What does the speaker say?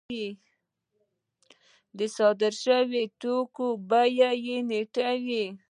د صادر شویو توکو بیه یې ټیټه وي